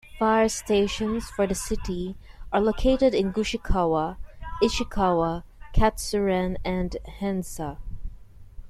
Fire stations for the city are located in Gushikawa, Ishikawa, Katsuren, and Henza.